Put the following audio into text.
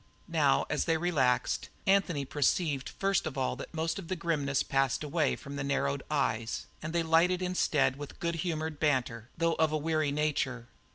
Now as they relaxed, Anthony perceived first of all that most of the grimness passed away from the narrowed eyes and they lighted instead with good humoured banter, though of a weary nature.